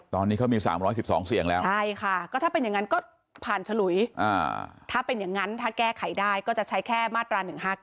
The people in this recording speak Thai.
ตอนนี้เขามี๓๑๒เสียงแล้วใช่ค่ะก็ถ้าเป็นอย่างนั้นก็ผ่านฉลุยถ้าเป็นอย่างนั้นถ้าแก้ไขได้ก็จะใช้แค่มาตรา๑๕๙